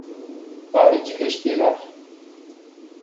Pare de respirar